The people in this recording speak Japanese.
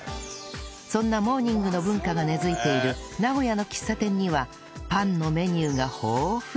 そんなモーニングの文化が根付いている名古屋の喫茶店にはパンのメニューが豊富